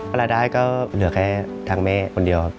ประดายก็เหลือแค่ทางแม่คนเดียว